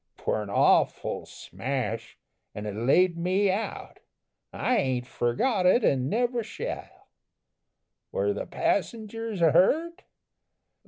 'Twere an awful smash, an' it laid me out, I ain't forgot it, and never shall; Were the passengers hurt?